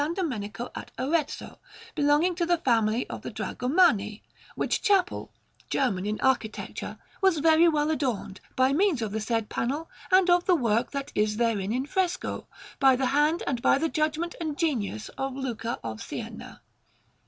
Domenico at Arezzo, belonging to the family of the Dragomanni; which chapel, German in architecture, was very well adorned, by means of the said panel and of the work that is therein in fresco, by the hand and by the judgment and genius of Luca of Siena.